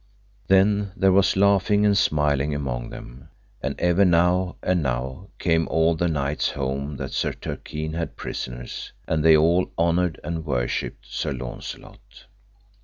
Then there was laughing and smiling among them. And ever now and now came all the knights home that Sir Turquine had prisoners, and they all honoured and worshipped Sir Launcelot.